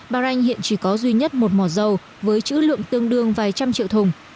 bahrain hiện chỉ có duy nhất một mỏ dầu với chữ lượng tương đương vài trăm triệu thùng